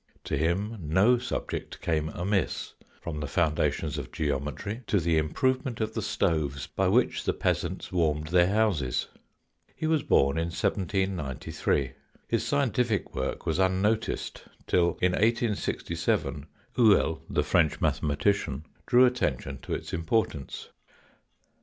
To him no subject came amiss, from the foundations of geometry to the improvement of the stoves by which the peasants warmed their houses. He was born in 1793. His scientific work was unnoticed till, in 1867, Houel, the French mathematician,' drew attention to its importance.